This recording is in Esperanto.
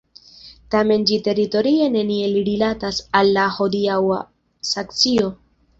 Tamen ĝi teritorie neniel rilatas al la hodiaŭa Saksio.